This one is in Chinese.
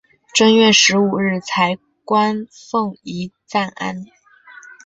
正月十五日彩棺奉移暂安。